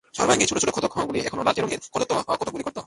সর্বাঙ্গের ছোট ছোট ক্ষতগুলি এখনো লালচে রঙের কদর্য কতকগুলি গর্ত।